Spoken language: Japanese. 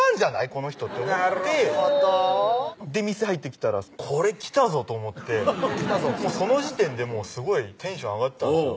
この人と思って店入ってきたらこれきたぞと思ってその時点ですごいテンション上がってたんですよ